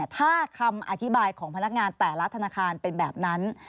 ถ้าคำอธิบายของพนักงานแต่ละธนาคารเป็นแบบนั้น